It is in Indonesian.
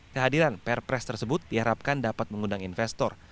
kehadiran perpres tersebut diharapkan dapat mengundang investor